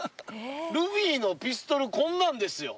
ルフィのピストルこんなんですよ